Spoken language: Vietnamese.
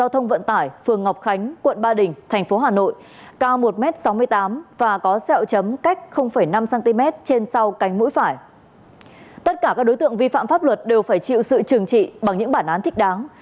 tất cả các đối tượng vi phạm pháp luật đều phải chịu sự trừng trị bằng những bản án thích đáng